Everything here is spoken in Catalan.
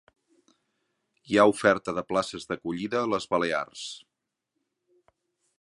Hi ha oferta de places d'acollida a les Balears